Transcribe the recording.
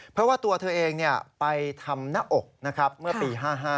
เพราะว่าตัวเธอเองไปทำหน้าอกนะครับเมื่อปี๕๕